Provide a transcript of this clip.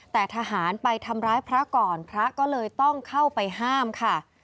แต่ทหารไปทำร้ายพระก่อนพระก็เลยต้องเข้าไปห้ามค่ะ